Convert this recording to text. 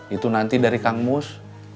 itu nanti dari kang mus